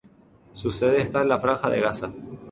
Su sede está en la Franja de Gaza.